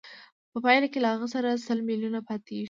په پایله کې له هغه سره سل میلیونه پاتېږي